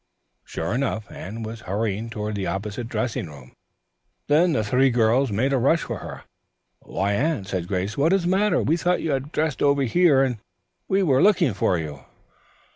Sure enough, Anne was hurrying toward the opposite dressing room. The three girls made a rush for her. "Why, Anne," said Grace. "What is the matter? We thought you had dressed over here and were looking for you."